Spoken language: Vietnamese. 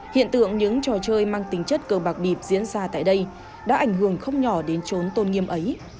hiện tượng những trò chơi mang tính chất cơ bạc bịp diễn ra tại đây đã ảnh hưởng không nhỏ đến trốn tôn nghiêm ấy